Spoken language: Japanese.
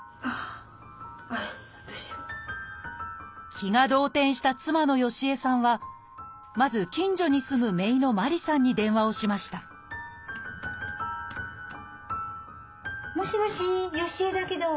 気が動転した妻のヨシ江さんはまず近所に住む姪のマリさんに電話をしましたもしもしヨシ江だけど。